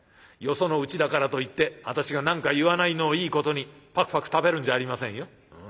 よそのうちだからといって私が何か言わないのをいいことにパクパク食べるんじゃありませんよ。